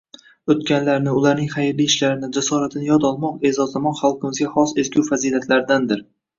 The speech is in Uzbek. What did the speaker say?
O'tganlarni, ularning xayrli ishlarini, jasoratini yodga olmoq, e'zozlamoq xalqimizga xos ezgu fazilatlardandir